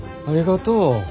ありがとう。